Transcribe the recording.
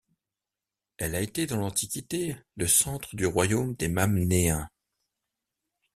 Elle a été dans l'antiquité le centre du royaume des Mannéens.